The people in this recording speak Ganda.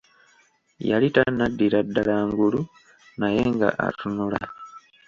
Yali tannaddira ddala ngulu, naye nga atunula.